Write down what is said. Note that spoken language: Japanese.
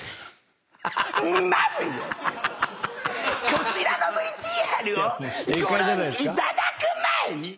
こちらのＶＴＲをご覧いただく前に。